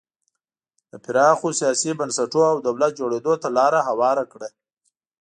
د پراخو سیاسي بنسټونو او دولت جوړېدو ته لار هواره کړه.